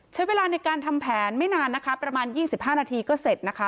ใช้เวลาในการทำแผนไม่นานนะคะประมาณ๒๕นาทีก็เสร็จนะคะ